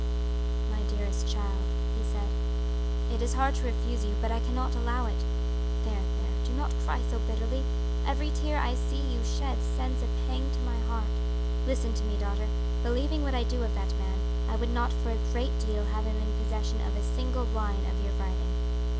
"My dearest child," he said, "it is hard to refuse you, but I cannot allow it. There, there! do not cry so bitterly; every tear I see you shed sends a pang to my heart. Listen to me, daughter. Believing what I do of that man, I would not for a great deal have him in possession of a single line of your writing.